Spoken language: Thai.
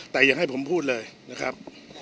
แต่อย่าให้ผมพูดเลยนะครับ